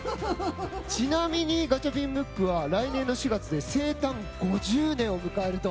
ちなみにガチャピン・ムックは来年の４月で生誕５０年を迎えると。